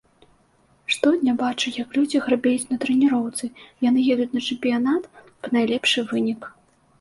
Штодня бачу, як людзі гарбеюць на трэніроўцы, яны едуць на чэмпіянат па найлепшы вынік.